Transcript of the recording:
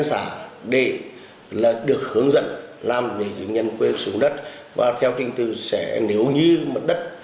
xã để là được hướng dẫn làm để những nhân quyền xuống đất và theo trình tự sẽ nếu như mất đất